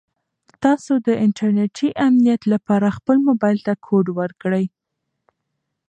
تاسو د انټرنیټي امنیت لپاره خپل موبایل ته کوډ ورکړئ.